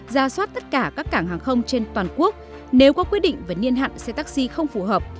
ra soát tất cả các cảng hàng không trên toàn quốc nếu có quyết định về niên hạn xe taxi không phù hợp